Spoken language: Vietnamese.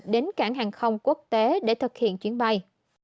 đến cảng hàng không quốc tế để thực hiện chuyến bay